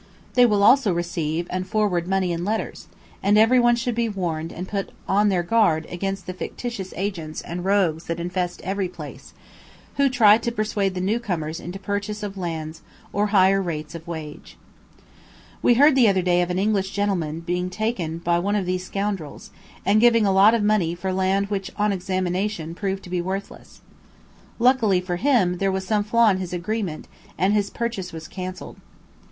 They will also receive and forward money and letters; and everyone should be warned and put on their guard against the fictitious agents and rogues that infest every place, who try to persuade the new comers into purchase of lands or higher rates of wage. We heard the other day of an English gentlemen being taken in by one of these scoundrels, and giving a lot of money for land which on examination proved to be worthless. Luckily for him, there was some flaw in his agreement, and his purchase was cancelled.